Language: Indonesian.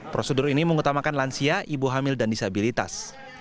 prosedur ini mengutamakan lansia ibu hamil dan disabilitas